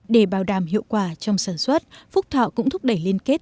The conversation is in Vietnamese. để bảo đảm hiệu quả trong sản xuất phúc thọ cũng thúc đẩy liên kết